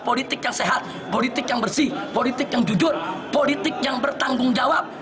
politik yang sehat politik yang bersih politik yang jujur politik yang bertanggung jawab